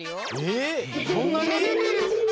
えっそんなに？